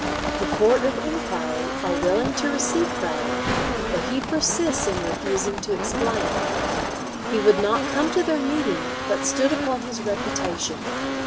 The Court of Enquiry are willing to receive Crowder, but he persists in refusing to explain. "He would not come to their meeting, but stood upon his reputation."